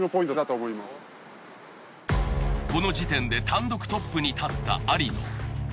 この時点で単独トップに立ったありの。